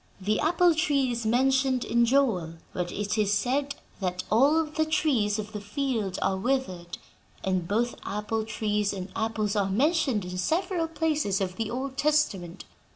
The apple tree is mentioned in Joel, where it is said that 'all the trees of the field are withered,' and both apple trees and apples are mentioned in several places of the Old Testament.